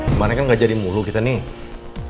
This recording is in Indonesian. kemarin kan gak jadi mulu kita nih